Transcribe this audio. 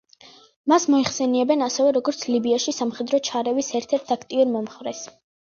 მას მოიხსენიებენ ასევე, როგორც ლიბიაში სამხედრო ჩარევის ერთ-ერთ აქტიურ მომხრეს.